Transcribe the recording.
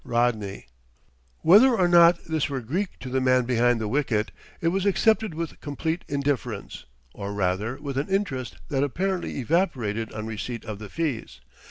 Roddy."_ Whether or not this were Greek to the man behind the wicket, it was accepted with complete indifference or, rather, with an interest that apparently evaporated on receipt of the fees.